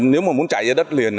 nếu mà muốn chạy ra đất liền